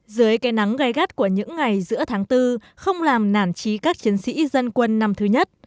dưới cây nắng gây gắt của những ngày giữa tháng bốn không làm nản trí các chiến sĩ dân quân năm thứ nhất